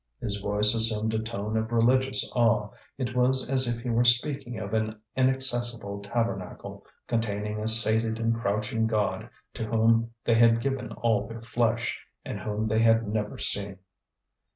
His voice assumed a tone of religious awe; it was as if he were speaking of an inaccessible tabernacle containing a sated and crouching god to whom they had given all their flesh and whom they had never seen.